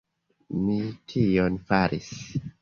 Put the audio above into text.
Mi tion faris!